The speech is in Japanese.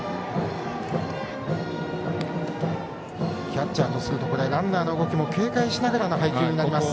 キャッチャーとするとランナーの動きも警戒しながらの配球になります。